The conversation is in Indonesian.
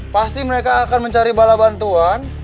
pasti mereka akan mencari bala bantuan